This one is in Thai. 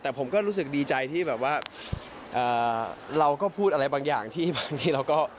แต่ผมก็รู้สึกดีใจที่แบบว่าเราก็พูดอะไรบางอย่างที่บางทีเราก็